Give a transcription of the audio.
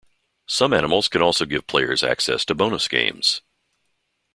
Some animals can also give players access to bonus games.